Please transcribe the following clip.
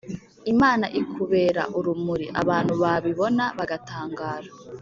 Imana ikubera urumuri abantu babibona bagatangara